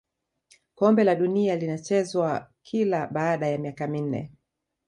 kombe la dunia linachezwa kila baada ya miaka minne